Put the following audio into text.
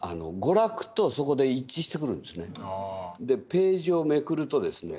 ページをめくるとですね